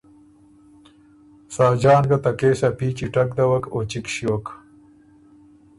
ساجان ګه ته کېس ا پیچی ټک دَوَک او چِګ ݭیوک